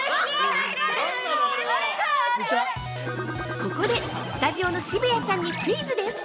◆ここでスタジオの渋谷さんにクイズです。